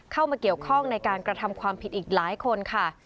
เข้ามาเกี่ยวข้องในการกระทำความผิดอีกหลายคนค่ะ